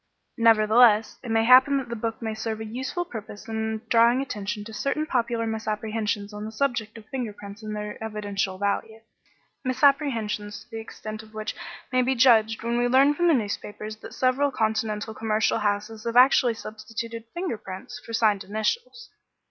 Nevertheless it may happen that the book may serve a useful purpose in drawing attention to certain popular misapprehensions on the subject of finger prints and their evidential value; misapprehensions the extent of which may be judged when we learn from the newspapers that several Continental commercial houses have actually substituted finger prints for signed initials.